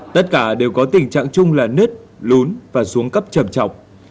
tất cả đều có tình trạng chung là nứt lún và xuống cấp chậm chọc